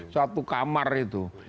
satu kamar itu